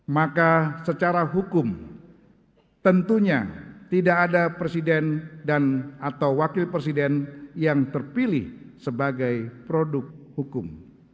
maka secara hukum tentunya tidak ada presiden dan atau wakil presiden yang terpilih sebagai produk hukum